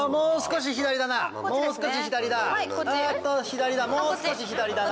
左だもう少し左だな。